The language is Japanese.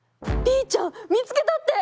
ピーちゃんみつけたって！